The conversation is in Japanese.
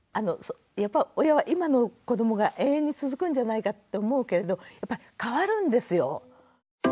親は今の子どもが永遠に続くんじゃないかって思うけれどやっぱり変わるんですよ。